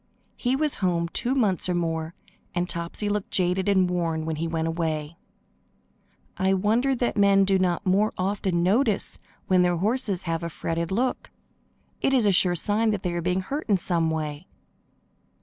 He was home two months or more, and Topsy looked jaded and worn when he went away. I wonder that men do not more often notice when their horses have a fretted look. It is a sure sign that they are being hurt in some way.